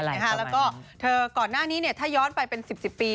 แล้วก็เธอก่อนหน้านี้ถ้าย้อนไปเป็น๑๐ปี